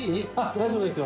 大丈夫ですよ！